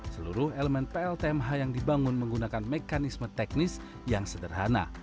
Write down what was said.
seluruh elemen pltmh yang dibangun menggunakan mekanisme teknis yang sederhana